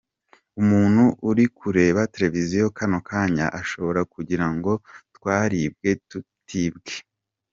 Umuntu uri kureba Televiziyo kano kanya ashobora kugira ngo twaribwe ntitwibwe!!”.